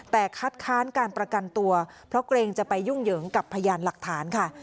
แต่คัดค้านการประกันตัวเพราะเกรงจะไปยุ่งเหยิงกับพยานหลักฐานค่ะ